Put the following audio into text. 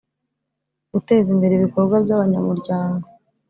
guteza imbere ibikorwa by abanyamuryango